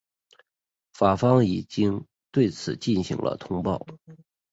法方已经对此进行了通报。